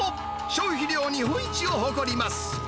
消費量日本一を誇ります。